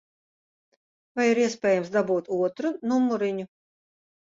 Vai ir iespējams dabūt otru numuriņu?